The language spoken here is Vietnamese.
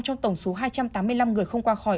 trong tổng số hai trăm tám mươi năm người không qua khỏi